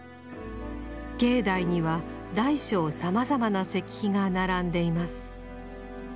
境内には大小さまざまな石碑が並んでいます。